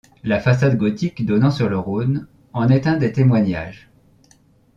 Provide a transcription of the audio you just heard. La façade gothique donnant sur le Rhône, en est un des témoignages.